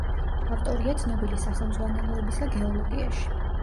ავტორია ცნობილი სახელმძღვანელოებისა გეოლოგიაში.